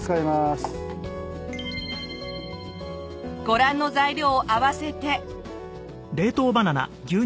ご覧の材料を合わせて。